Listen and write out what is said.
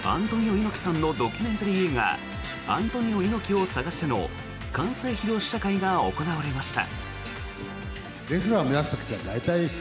猪木さんのドキュメンタリー映画「アントニオ猪木をさがして」の完成披露試写会が行われました。